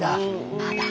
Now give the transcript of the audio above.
まだ。